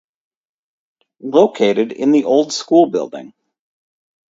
Located in the old school Building.